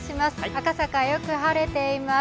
赤坂、よく晴れています。